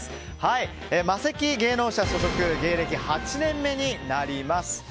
マセキ芸能社所属芸歴８年目になります。